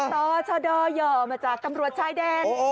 ต่อชดย่อมาจากตำรวจชายแดน